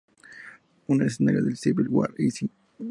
Un escenario de "Civil War" "¿y si?